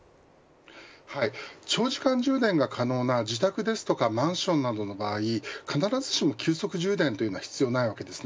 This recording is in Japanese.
長時間充電が可能な自宅ですとかマンションなどの場合必ずしも急速充電というのは必要ないわけですね。